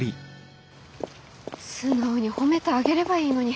素直に褒めてあげればいいのに。